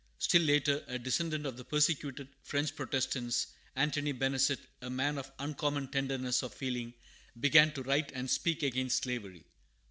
] Still later, a descendant of the persecuted French Protestants, Anthony Benezet, a man of uncommon tenderness of feeling, began to write and speak against slavery.